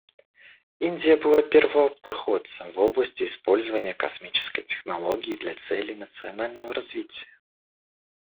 Индия была первопроходцем в области использования космической технологии для целей национального развития.